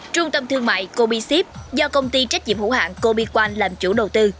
trung tâm thương mại cobixif do công ty trách nhiệm hữu hạng cobiqal làm chủ đầu tư